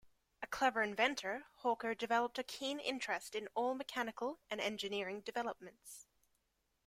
A clever inventor, Hawker developed a keen interest in all mechanical and engineering developments.